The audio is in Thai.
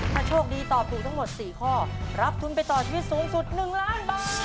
ถ้าโชคดีตอบถูกทั้งหมด๔ข้อรับทุนไปต่อชีวิตสูงสุด๑ล้านบาท